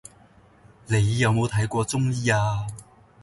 你有冇睇過中醫呀